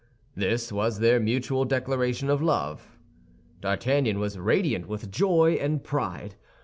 This was their mutual declaration of love. D'Artagnan was radiant with joy and pride.